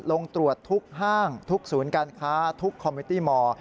ลงตรวจทุกห้างทุกศูนย์การค้าทุกคอมมิวตี้มอร์